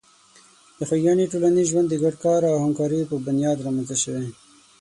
د خوږیاڼي ټولنیز ژوند د ګډ کار او همکاري په بنیاد رامنځته شوی.